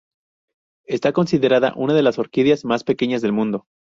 Está considerada una de las orquídeas más pequeñas del mundo.